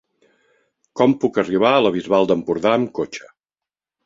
Com puc arribar a la Bisbal d'Empordà amb cotxe?